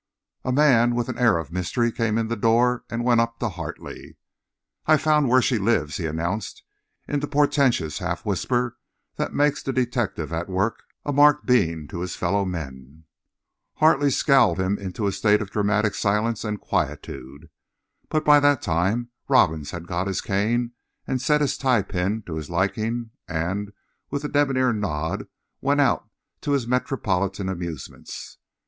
A man with an air of mystery came in the door and went up to Hartley. "I've found where she lives," he announced in the portentous half whisper that makes the detective at work a marked being to his fellow men. Hartley scowled him into a state of dramatic silence and quietude. But by that time Robbins had got his cane and set his tie pin to his liking, and with a debonair nod went out to his metropolitan amusements.